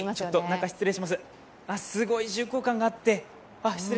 すごい重厚感があって。